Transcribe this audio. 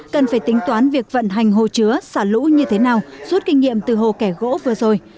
cần phải tính toán việc vận hành hồ chứa xả lũ như thế nào rút kinh nghiệm từ hồ kẻ gỗ vừa rồi